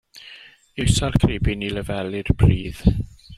Iwsia'r cribin i lefelu'r pridd.